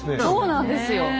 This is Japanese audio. そうなんですよ。